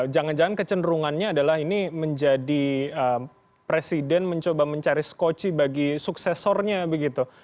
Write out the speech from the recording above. jangan jangan kecenderungannya adalah ini menjadi presiden mencoba mencari skoci bagi suksesornya begitu